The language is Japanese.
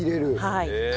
はい。